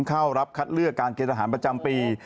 เข้ารับคัดเลือกการเกณฑ์ทหารประจำปี